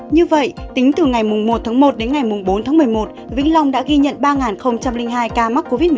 như vậy tính từ ngày một tháng một đến ngày bốn tháng một mươi một vĩnh long đã ghi nhận ba hai ca mắc covid một mươi chín